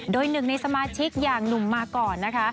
โดยหนึ่งในสมาชิกอย่างหนุ่มมาก่อนนะคะ